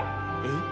えっ。